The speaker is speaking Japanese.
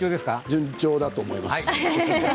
順調だと思います。